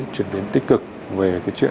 chuyển biến tích cực về cái chuyện